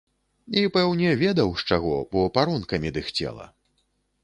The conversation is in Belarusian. І, пэўне, ведаў з чаго, бо паронкамі дыхцела.